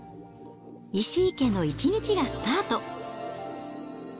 石井家の一日がスタート。